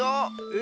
え？